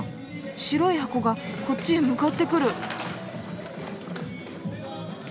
白い箱がこっちへ向かってくる。